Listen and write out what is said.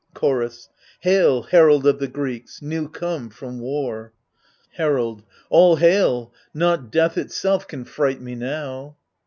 AGAMEMNON 25 Chorus Hail, herald of the Greeks, new come from war. Herald All hail ! not death itself can fright me now.